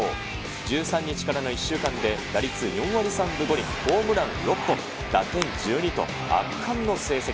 １３日からの１週間で打率４割３分５厘、ホームラン６本、打点１２と圧巻の成績。